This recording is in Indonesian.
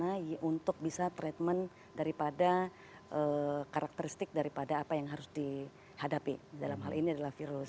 jadi harus dicukupi ataupun dipenuhi sarana pesarana untuk bisa treatment daripada karakteristik daripada apa yang harus dihadapi dalam hal ini adalah virus